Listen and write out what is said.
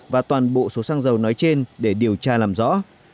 và toàn bộ số xăng dầu nói trên để điều tra làm rõ